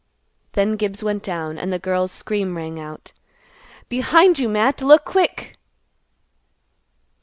Then Gibbs went down, and the girl's scream rang out, _"Behind you, Matt! Look quick!"